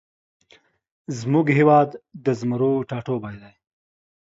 زمونږ هیواد د زمرو ټاټوبی دی